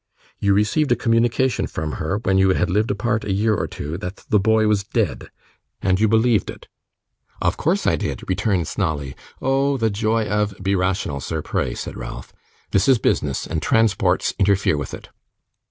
You received a communication from her, when you had lived apart a year or two, that the boy was dead; and you believed it?' 'Of course I did!' returned Snawley. 'Oh the joy of ' 'Be rational, sir, pray,' said Ralph. 'This is business, and transports interfere with it.